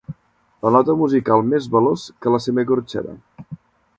La nota musical més veloç que la semi-corxera.